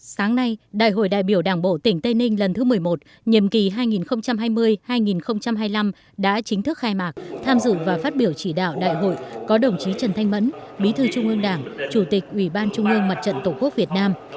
sáng nay đại hội đại biểu đảng bộ tỉnh tây ninh lần thứ một mươi một nhiệm kỳ hai nghìn hai mươi hai nghìn hai mươi năm đã chính thức khai mạc tham dự và phát biểu chỉ đạo đại hội có đồng chí trần thanh mẫn bí thư trung ương đảng chủ tịch ủy ban trung ương mặt trận tổ quốc việt nam